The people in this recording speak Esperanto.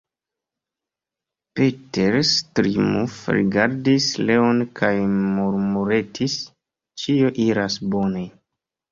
Peters triumfe rigardis Leon kaj murmuretis: Ĉio iras bone.